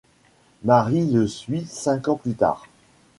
Mary le suit cinq ans plus tard.